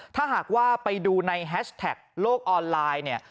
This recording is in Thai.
ถ้าหากว่าไปดูในแฮชแท็กโลกออนไลน์เนี่ย